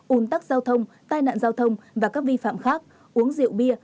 ủn tắc giao thông tai nạn giao thông và các vi phạm khác uống rượu bia